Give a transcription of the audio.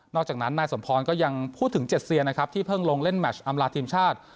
อกจากนั้นนายสมพรก็ยังพูดถึงเจ็ดเซียนะครับที่เพิ่งลงเล่นแมชอำลาทีมชาติ